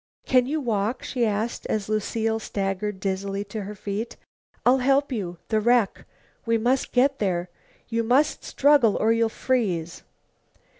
"Can you walk?" she asked as Lucile staggered dizzily to her feet. "I'll help you. The wreck we must get there. You must struggle or you'll freeze."